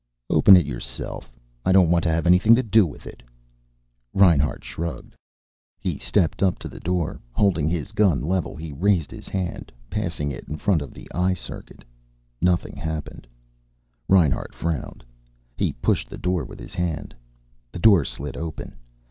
"Open it yourself. I don't want to have anything to do with it." Reinhart shrugged. He stepped up to the door. Holding his gun level he raised his hand, passing it in front of the eye circuit. Nothing happened. Reinhart frowned. He pushed the door with his hand. The door slid open.